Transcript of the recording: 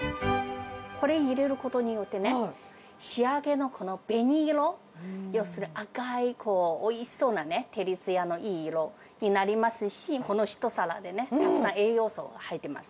これ入れることによってね、仕上げのこの紅色、要するに、赤いおいしそうな照りつやのいい色になりますし、この一皿でね、たくさん栄養素が入ってます。